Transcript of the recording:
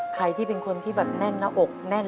ใครที่เป็นคนที่แบบแน่นหน้าอกแน่น